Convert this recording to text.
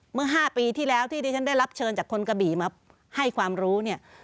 เมื่อ๕ปีที่แล้วที่ที่ฉันได้รับเชิญจากคนกะบี่มาให้ความรู้เนี่ย